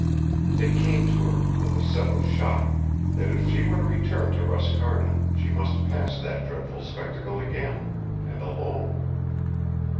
It came to her, with a sudden shock, that if she were to return to Roscarna she must pass that dreadful spectacle again, and alone.